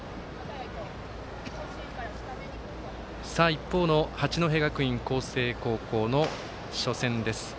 一方の八戸学院光星高校の初戦です。